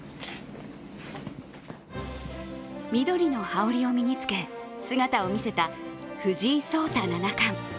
緑の羽織を身につけ、姿を見せた藤井聡太七冠。